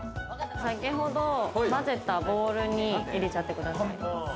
先ほど混ぜたボウルに入れちゃってください。